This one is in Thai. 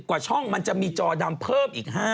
กว่าช่องมันจะมีจอดำเพิ่มอีก๕